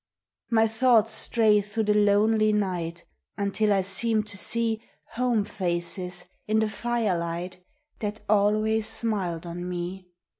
My thoughts stray through the lonely night Until I seem to see Home faces, in the firelight, That always smiled on me.